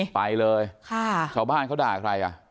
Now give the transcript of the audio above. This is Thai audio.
ไปเลยชาวบ้านเขาด่าใครอ่ะ